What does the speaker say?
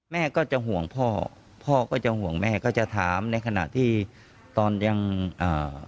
แม่ก็จะห่วงพ่อพ่อก็จะห่วงแม่ก็จะถามในขณะที่ตอนยังอ่า